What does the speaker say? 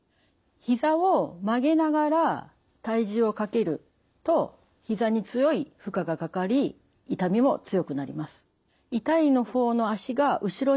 ひざを曲げながら体重をかけるとひざに強い負荷がかかり痛みも強くなります。